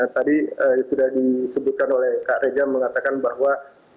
tadi sudah disebutkan oleh kak reza mengatakan bahwa